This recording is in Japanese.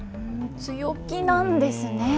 強気なんですね。